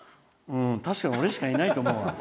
確かに俺しかいないと思う。